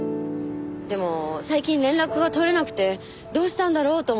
でも最近連絡が取れなくてどうしたんだろうと思ってました。